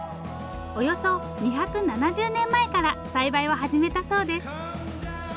およそ２７０年前から栽培を始めたそうです。